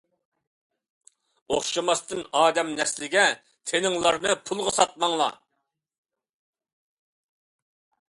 ئوخشىماستىن ئادەم نەسلىگە، تىنىڭلارنى پۇلغا ساتماڭلار.